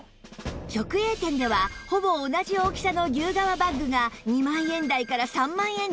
直営店ではほぼ同じ大きさの牛革バッグが２万円台から３万円台